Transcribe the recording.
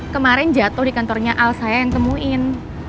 kemarin jatuh di kantornya al saya yang temuin